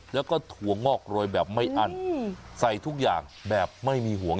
แล้วก็ถั่วงอกโรยแบบไม่อั้นใส่ทุกอย่างแบบไม่มีห่วง